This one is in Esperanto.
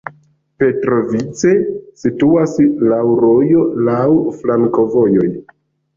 Petrovice situas laŭ rojo, laŭ flankovojoj.